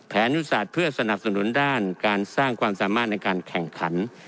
นุศาสตร์เพื่อสนับสนุนด้านการสร้างความสามารถในการแข่งขัน